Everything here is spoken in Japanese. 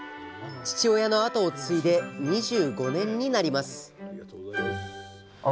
父親の後を継いで２５年になります